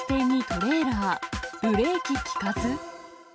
ブレーキ利かず？